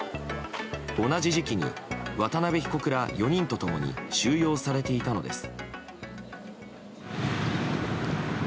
同じ時期に渡辺被告ら４人と共に収容されていたのです。